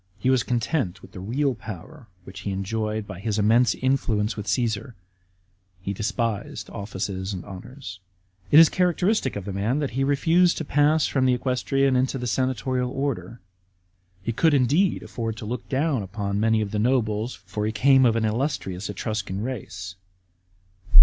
He was content with the real power which he enjoyed by his immense influence with Csesar ; he despised offices and honours. It is characteristic of the man that he refused to pass from the equestrian into the senatorial order. He could indeed afford to look down upon many of the nobles ; for he came of an illustrious Etruscan race.